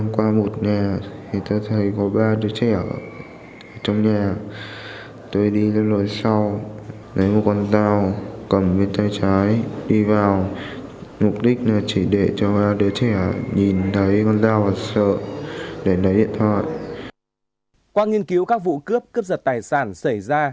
qua nghiên cứu các vụ cướp cướp giật tài sản xảy ra